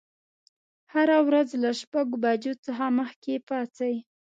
هره ورځ له شپږ بجو څخه مخکې پاڅئ.